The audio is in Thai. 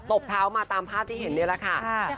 ตบเท้ามาตามภาพที่เห็นได้แล้วค่ะ